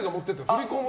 振り込み？